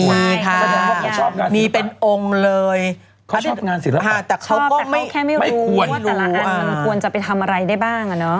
มีค่ะมีเป็นองค์เลยเขาชอบงานศิลปะไม่ควรแต่เขาก็แค่ไม่รู้ว่าแต่ละอันมันควรจะไปทำอะไรได้บ้างอะเนอะ